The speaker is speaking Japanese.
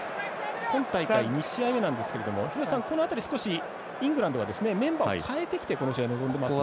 今大会２試合目なんですけどこの辺り、少しイングランドはメンバーを代えてきてこの試合に臨んできていますね。